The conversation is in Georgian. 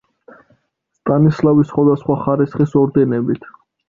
სტანისლავის სხვადასხვა ხარისხის ორდენებით.